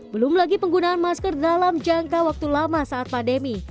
belum lagi penggunaan masker dalam jangka waktu lama saat pandemi